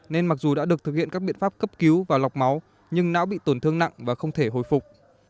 nên mặc dù đã được thực hiện các biện pháp cấp cứu và lọc máu nhưng não bị tổn thương nặng và không thể hồi phục